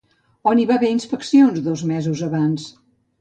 On hi va haver inspeccions dos mesos abans?